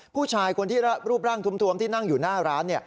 ผู้ชายคนที่รูปร่างทวมที่นั่งอยู่หน้าร้าน